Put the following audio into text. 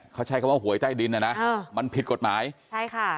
เขาใช้คำว่าหวยใต้ดินอ่ะนะมันผิดกฎหมายใช่ค่ะ